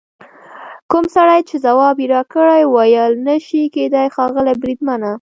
کوم سړي چې ځواب یې راکړ وویل: نه شي کېدای ښاغلي بریدمنه.